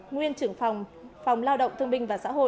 nguyên trưởng phòng phòng lao động thương binh và xã hội